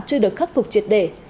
chưa được khắc phục triệt để